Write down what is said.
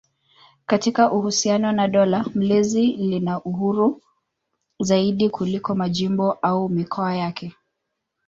Katika uhusiano na dola mlezi lina uhuru zaidi kuliko majimbo au mikoa yake.